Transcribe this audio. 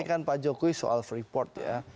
ini kan pak jokowi soal freeport ya